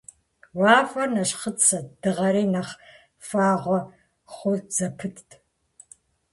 Уафэр нэщхъыцэт, дыгъэри нэхъ фагъуэ хъу зэпытт.